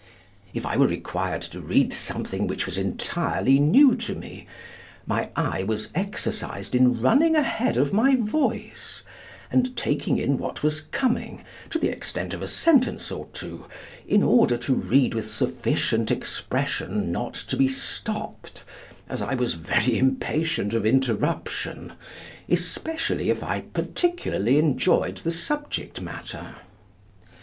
If I were required to read something which was entirely new to me, my eye was exercised in running ahead of my voice, and taking in what was coming, to the extent of a sentence or two, in order to read with sufficient expression not to be stopped, as I was very impatient of interruption, especially if I particularly enjoyed the subject matter.